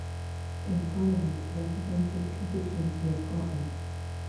In Parliament he represented the constituency of Cochem.